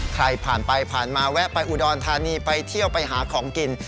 ใครผ่านไปผ่านมาแวะไปอุดรธานีไปเที่ยวไปหาของกิน